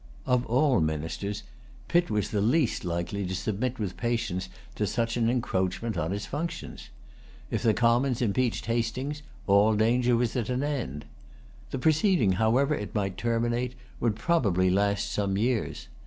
Of all ministers, Pitt was[Pg 220] the least likely to submit with patience to such an encroachment on his functions. If the Commons impeached Hastings, all danger was at an end. The proceeding, however it might terminate, would probably last some years.